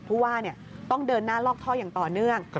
ผู้ว่าต้องเดินหน้าลอกท่ออย่างต่อเนื่อง